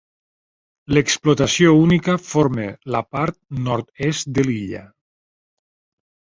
L'explotació única forma la part nord-est de l'illa.